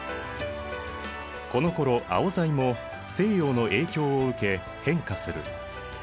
このころアオザイも西洋の影響を受け変化する。